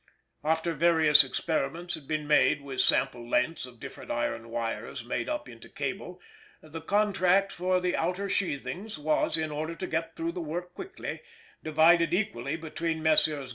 After various experiments had been made with sample lengths of different iron wires made up into cable, the contract for the outer sheathings was, in order to get through the work quickly, divided equally between Messrs.